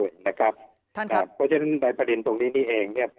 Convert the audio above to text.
เพราะฉะนั้นในประเด็นตรงนี้นี้เอง